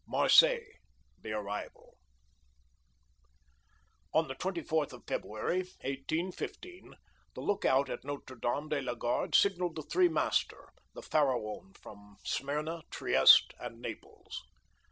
Marseilles—The Arrival On the 24th of February, 1815, the look out at Notre Dame de la Garde signalled the three master, the Pharaon from Smyrna, Trieste, and Naples.